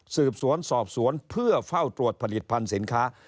สืบสวนสอบสวนเพื่อเฝ้าตรวจผลิตภัณฑ์สินค้า